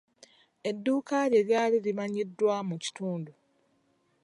Edduuka lye lyali limanyikiddwa mu kitundu.